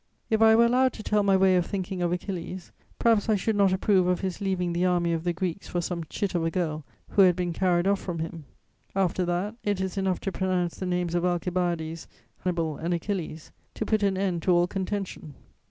If I were allowed to tell my way of thinking of Achilles, perhaps I should not approve of his leaving the army of the Greeks for some chit of a girl who had been carried off from him. After that, it is enough to pronounce the names of Alcibiades, Hannibal and Achilles to put an end to all contention.